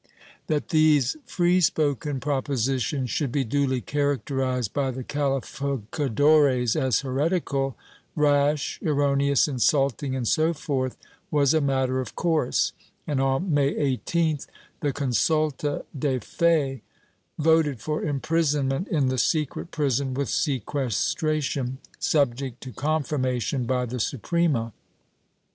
That these free spoken propositions should be duly characterized by the calificadores as heretical, rash, erroneous, insulting and so forth was a matter of course and, on May 18th, the consulta de fe voted for imprisonment in the secret prison with sequestration, subject to confirmation by the Suprema.